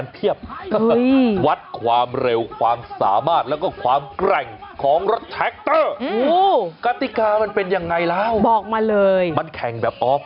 เทียบวัดความเร็วความสามารถแล้วก็ความแกร่งของกาติกามันเป็นยังไงแล้วบอกมาเลยมันแข่งแบบออฟ